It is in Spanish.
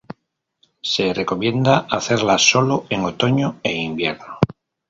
Se recomienda hacerla solo en otoño e invierno.